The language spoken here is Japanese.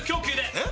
えっ？